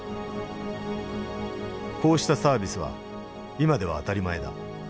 こうしたサービスは今では当たり前だ。